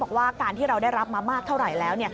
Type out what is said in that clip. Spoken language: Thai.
การที่เราได้รับมามากเท่าไหร่แล้ว